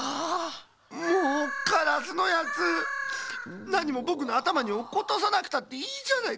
もうカラスのやつなにもぼくのあたまにおっことさなくたっていいじゃないか。